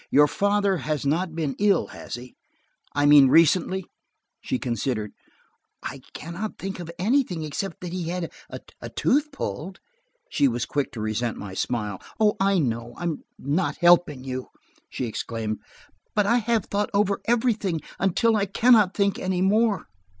"Your father has not been ill, has he? I mean recently." She considered. "I can not think of anything except that he had a tooth pulled." She was quick to resent my smile. "Oh, I know I'm not helping you," she exclaimed, "but I have thought over everything until I can not think any more.